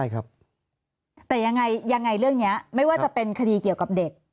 คุณแม่ค่ะ